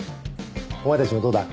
お前たちもどうだ？